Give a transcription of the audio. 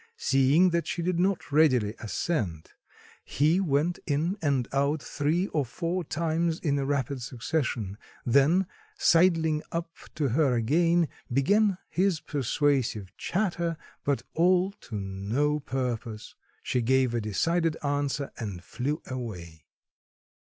Seeing that she did not readily assent, he went in and out three or four times in rapid succession; then sidling up to her again began his persuasive chatter, but all to no purpose; she gave a decided answer and flew away.